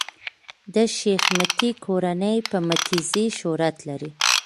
د شېخ متی کورنۍ په "متي زي" شهرت لري.